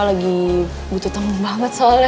gue lagi butuh temen banget soalnya